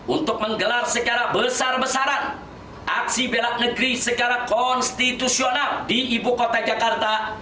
untuk menggelar segera besar besaran aksi bela negeri segera konstitusional di ibukota jakarta